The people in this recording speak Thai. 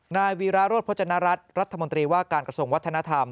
นายวีราโรธพจนรัฐรัฐรัฐมนตรีว่าการกระทรวงวัฒนธรรม